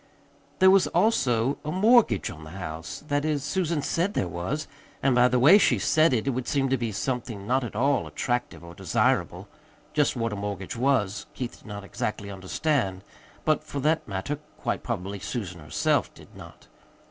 There was also a mortgage on the house. That is, Susan said there was; and by the way she said it, it would seem to be something not at all attractive or desirable. Just what a mortgage was, Keith did not exactly understand; but, for that matter, quite probably Susan herself did not.